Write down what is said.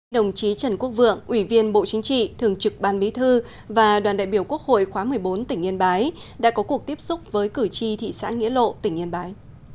đồng chí trần quốc vượng ủy viên bộ chính trị thường trực ban bí thư và đoàn đại biểu quốc hội khóa một mươi bốn tỉnh yên bái đã có cuộc tiếp xúc với cử tri thị xã nghĩa lộ tỉnh yên bái